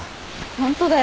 ホントだよ。